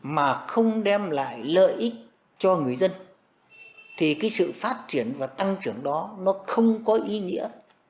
mà không đem lại lợi ích cho người dân thì cái sự phát triển và tăng trưởng đó nó không có ý nghĩa